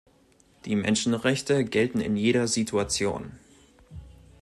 Die Menschenrechte gelten in jeder Situation.